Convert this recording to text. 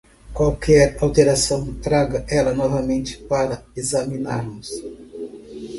Qualquer alteração traga ela novamente para examinarmos.